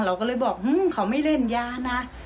เราก็เลยบอกเขาไม่เล่นยานะ